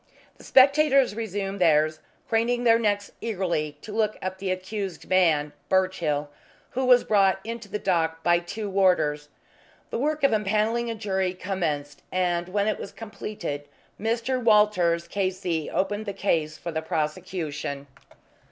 The spectators resumed theirs, craning their necks eagerly to look at the accused man, Birchill, who was brought into the dock by two warders. The work of empanelling a jury commenced, and when it was completed Mr. Walters, K.C., opened the case for the prosecution.